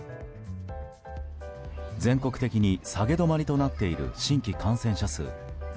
全国的に下げ止まりとなっている、新規感染者数。